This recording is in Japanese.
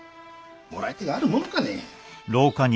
もらい手があるものかね。